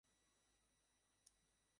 মুজিব-উর-রেহমান স্বামী এর প্রধান সম্পাদক।